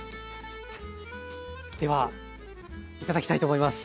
では頂きたいと思います。